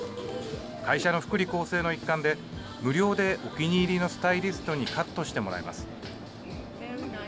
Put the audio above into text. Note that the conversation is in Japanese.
会社の福利厚生の一環で、無料でお気に入りのスタイリストにカットしてもらえます。